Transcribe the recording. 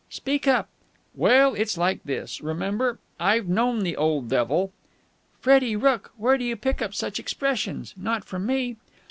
"Speak up!" "Well, it's like this. Remember, I've known the old devil...." "Freddie Rooke! Where do you pick up such expressions? Not from me!"